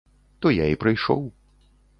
То я і прыйшоў.